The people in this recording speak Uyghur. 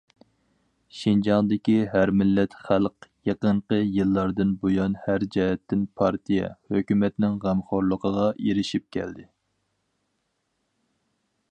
شىنجاڭدىكى ھەر مىللەت خەلق يېقىنقى يىللاردىن بۇيان ھەر جەھەتتىن پارتىيە، ھۆكۈمەتنىڭ غەمخورلۇقىغا ئېرىشىپ كەلدى.